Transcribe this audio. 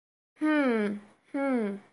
Һм, Һм...